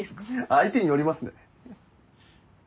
相手によりますね。